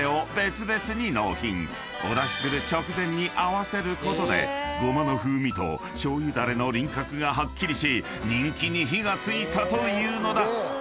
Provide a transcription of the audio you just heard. ［お出しする直前に合わせることで胡麻の風味としょう油ダレの輪郭がはっきりし人気に火が付いたというのだ］